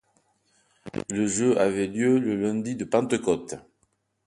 Le jeu avait lieu le Lundi de Pentecôte.